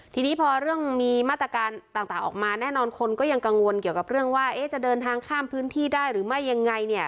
ทีนี้พอเรื่องมีมาตรการต่างออกมาแน่นอนคนก็ยังกังวลเกี่ยวกับเรื่องว่าจะเดินทางข้ามพื้นที่ได้หรือไม่ยังไงเนี่ย